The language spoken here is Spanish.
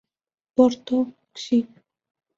Porto" xiv.